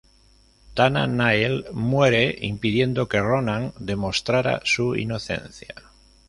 Tana Nile muere, impidiendo que Ronan demostrara su inocencia.